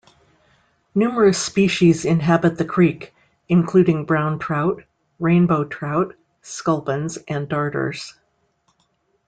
Numerous species inhabit the Creek including brown trout, rainbow trout, scuplins and darters.